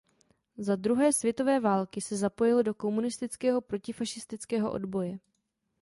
Za druhé světové války se zapojil do komunistického protifašistického odboje.